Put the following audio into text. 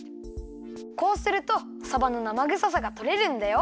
こうするとさばのなまぐささがとれるんだよ。